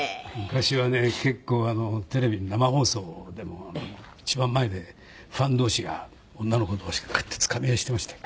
「昔はね結構テレビの生放送でも一番前でファン同士が女の子同士がグッてつかみ合いしてましたよ」